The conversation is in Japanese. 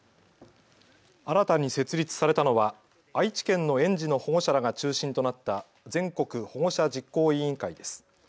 新たに設立されたのは愛知県の園児の保護者らが中心となった全国保護者実行委員会です。